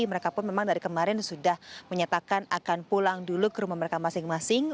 mereka pun memang dari kemarin sudah menyatakan akan pulang dulu ke rumah mereka masing masing